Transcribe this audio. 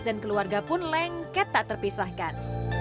dan keluarga pun lengket tak terpisahkan